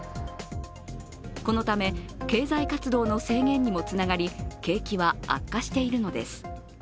このため、経済活動の制限にもつながり、景気は悪化しているのです。